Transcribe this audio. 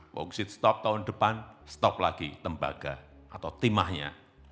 boksit stop tahun depan stop lagi tembaga atau timahnya